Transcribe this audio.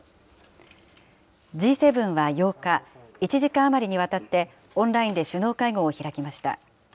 Ｇ７は８日、１時間余りにわたってオンラインで首脳会合を開きました。